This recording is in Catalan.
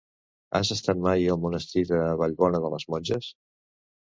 Has estat mai al monestir de Vallbona de les Monges?